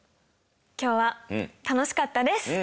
今日は楽しかったです。